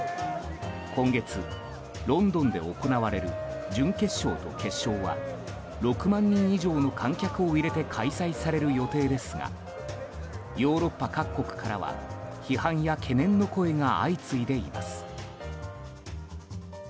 今月ロンドンで行われる準決勝と決勝は６万人以上の観客を入れて開催される予定ですがヨーロッパ各国からは批判や懸念の声が相次いでいます。